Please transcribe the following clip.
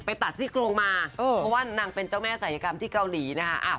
ตัดที่กรวงมาเพราะว่านางเป็นเจ้าแม่สายกรรมที่เกาหลีนะคะ